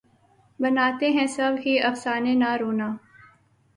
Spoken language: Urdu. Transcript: بناتے ہیں سب ہی افسانے نہ رونا